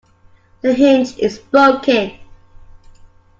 The hinge is broken.